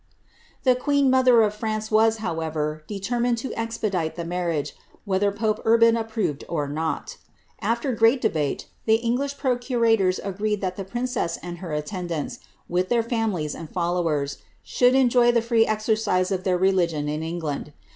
The queen mother of France wa», however, determined to expedite the marriage, whether pope Urban approved or not AAer great debate, the English procurators agreed that the princess and her attendants, with their families and followers, should enjoy the free exercise of their reli gion in England.